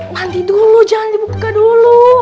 nanti dulu jangan dibuka dulu